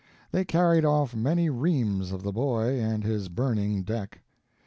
They carried off many reams of the boy and his burning deck.